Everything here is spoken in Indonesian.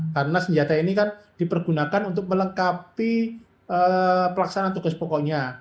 karena senjata ini kan dipergunakan untuk melengkapi pelaksanaan tugas pokoknya